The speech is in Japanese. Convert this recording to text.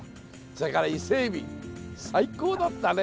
それから伊勢エビ最高だったね！